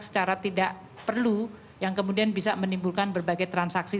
secara tidak perlu yang kemudian bisa menimbulkan berbagai transaksi